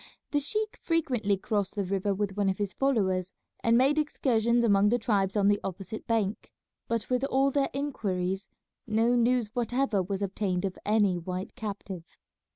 The sheik frequently crossed the river with one of his followers and made excursions among the tribes on the opposite bank, but with all their inquiries no news whatever was obtained of any white captive.